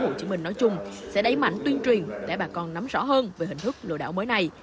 hồ chí minh nói chung sẽ đẩy mạnh tuyên truyền để bà con nắm rõ hơn về hình thức lừa đảo mới này